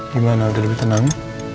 gimana udah lebih tenang